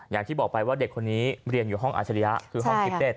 อย่างที่บอกไปว่าเด็กคนนี้เรียนอยู่ห้องอาชริยะคือห้องคิตเต็ด